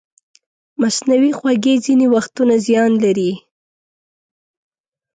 مصنوعي خوږې ځینې وختونه زیان لري.